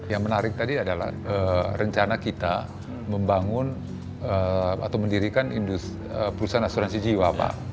yang menarik tadi adalah rencana kita membangun atau mendirikan perusahaan asuransi jiwa pak